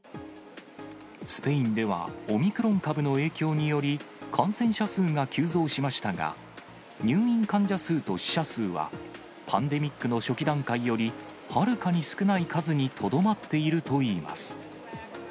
スペインではオミクロン株の影響により、感染者数が急増しましたが、入院患者数と死者数は、パンデミックの初期段階よりはるかに少ない数にとどまっているといいます。